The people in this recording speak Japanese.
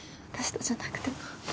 私とじゃなくても。